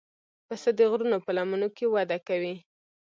پسه د غرونو په لمنو کې وده کوي.